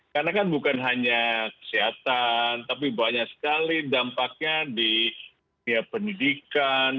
karena kan bukan hanya kesehatan tapi banyak sekali dampaknya di dunia pendidikan